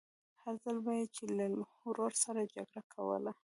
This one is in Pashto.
هر ځل به يې چې له ورور سره جګړه کوله.